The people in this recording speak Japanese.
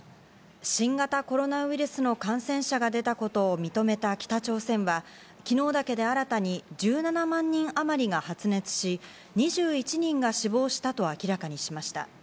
新型コロナウイルスの感染者が出たことを認めた北朝鮮は、昨日だけで新たに１７万人あまりが発熱し、２１人が死亡したと明らかにしました。